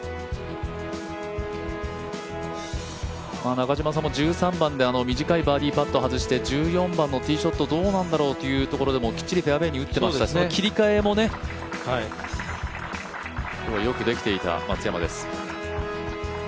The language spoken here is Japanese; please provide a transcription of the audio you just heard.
中嶋さんも１３番で短いバーディーパット外して１４番のティーショットどうなんだろうっていう場面もきっちりフェアウエーに打ってましたね、その切り替えもね今日はよくできていた松山です。